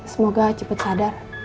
semoga cepat sadar